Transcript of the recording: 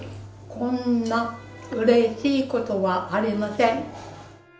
こんなうれしいことはありません！